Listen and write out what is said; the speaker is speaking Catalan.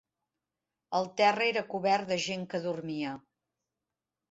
El terra era cobert de gent que dormia.